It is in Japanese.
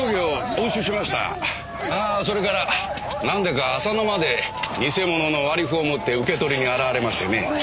ああそれからなんでか浅野まで偽物の割り符を持って受け取りに現れましてね。